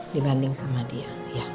dibanding sama dia